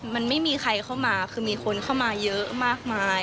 มันไม่มีใครเข้ามาคือมีคนเข้ามาเยอะมากมาย